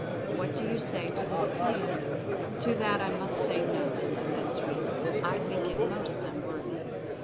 What do you say to this plan?" "To that I must say no," said Sweep. "I think it most unworthy."